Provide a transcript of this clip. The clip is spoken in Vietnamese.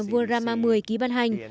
nhà vua rama x ký ban hành